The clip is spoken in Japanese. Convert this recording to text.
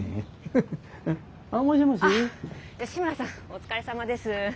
お疲れさまです。